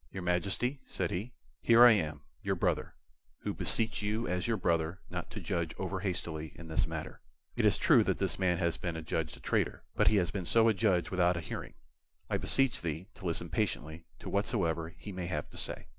"Your Majesty," said he, "here am I, your brother, who beseech you as your brother not to judge over hastily in this matter. It is true that this man has been adjudged a traitor, but he has been so adjudged without a hearing. I beseech thee to listen patiently to whatsoever he may have to say."